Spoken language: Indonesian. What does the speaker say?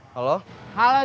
hacia salai lanteluk ini